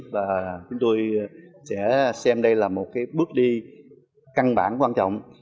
và chúng tôi sẽ xem đây là một bước đi căn bản quan trọng